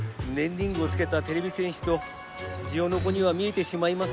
リングをつけたてれび戦士とジオノコには見えてしまいますが。